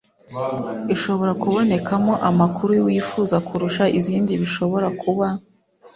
Ishobora kubonekamo amakuru wifuza kurusha izindi bishobora kuba